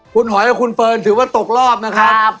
คุณหอยกับคุณเฟิร์นถือว่าตกรอบนะครับ